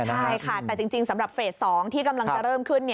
ใช่ค่ะแต่จริงสำหรับเฟส๒ที่กำลังจะเริ่มขึ้น